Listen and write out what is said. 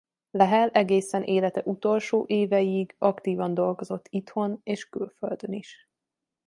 Lehel egészen élete utolsó éveiig aktívan dolgozott itthon és külföldön is.